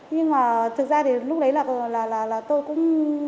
nhưng mà thực ra thì lúc đấy là tôi cũng